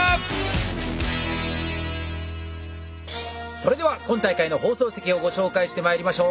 それでは今大会の放送席をご紹介してまいりましょう。